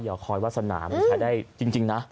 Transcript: อคอยวาสนามันใช้ได้จริงนะ